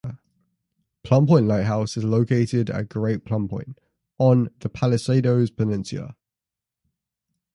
Plumb Point Lighthouse is located at Great Plumb Point on the Palisadoes Peninsula.